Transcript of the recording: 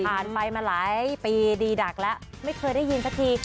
ไปมาหลายปีดีดักแล้วไม่เคยได้ยินสักที